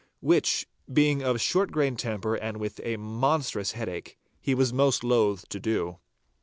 Which, being of short grained temper and with a monstrous headache, he was most loath to do.